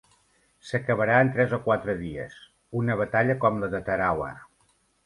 S'acabarà en tres o quatre dies – una batalla com la de Tarawa.